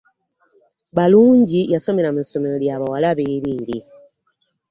Balungi yasomera mu ssomero lya bawala berere.